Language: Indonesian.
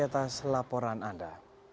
terima kasih atas laporan anda